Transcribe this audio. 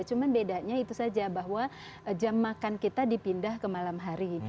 cuma bedanya itu saja bahwa jam makan kita dipindah ke malam hari